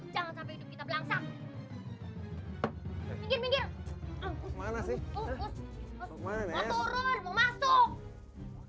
jangan sampai hidup kita belang langsang